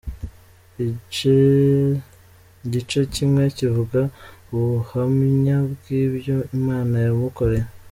Igice kimwe kivuga ubuhamya bw’ibyo Imana yamukoreye.